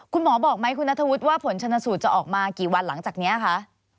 คุณหมอบอกไหมคุณนัทธวุฒิว่าผลชนสูตรจะออกมากี่วันหลังจากนี้คะ